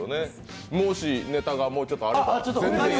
もしネタがもうちょっとあれば。